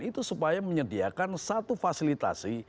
itu supaya menyediakan satu fasilitasi